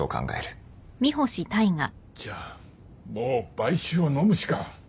じゃあもう買収をのむしか。